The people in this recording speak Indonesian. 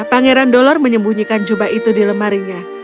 pangeran dolor menyembunyikan jubah itu di lemarinya